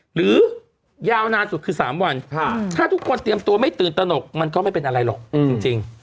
หรือยาวนานสุดคือ๓วันถ้าทุกคนเตรียมตัวไม่ตื่นตนกมันก็ไม่เป็นอะไรหรอกจริง